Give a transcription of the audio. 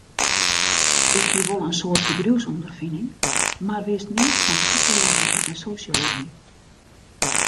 Ik hie wol in soad bedriuwsûnderfining, mar wist neat fan psychology en sosjology.